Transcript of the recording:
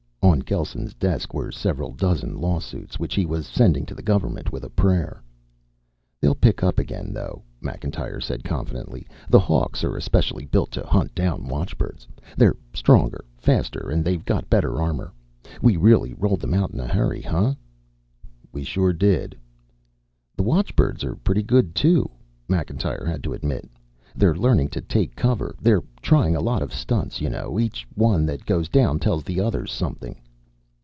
On Gelsen's desk were several dozen lawsuits, which he was sending to the government with a prayer. "They'll pick up again, though," Macintyre said confidently. "The Hawks are especially built to hunt down watchbirds. They're stronger, faster, and they've got better armor. We really rolled them out in a hurry, huh?" "We sure did." "The watchbirds are pretty good, too," Macintyre had to admit. "They're learning to take cover. They're trying a lot of stunts. You know, each one that goes down tells the others something."